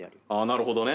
なるほどね。